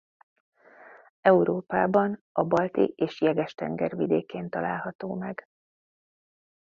Európában a Balti- és Jeges-tenger vidékén található meg.